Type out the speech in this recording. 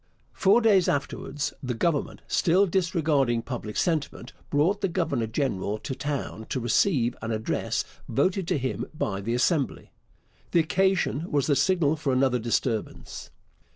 Four days afterwards the Government, still disregarding public sentiment, brought the governor general to town to receive an address voted to him by the Assembly. The occasion was the signal for another disturbance.